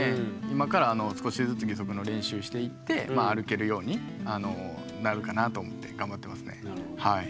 今から少しずつ義足の練習していって歩けるようになるかなと思って頑張ってますねはい。